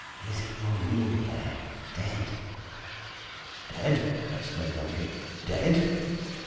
"He's in your room there dead!" "Dead?" exclaimed Eldrick. "Dead!"